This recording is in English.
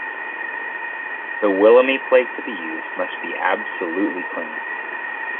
The Wilhelmy plate to be used must be absolutely clean.